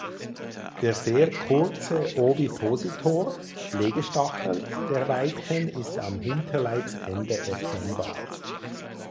Der sehr kurze Ovipositor (Legestachel) der Weibchen ist am Hinterleibsende erkennbar.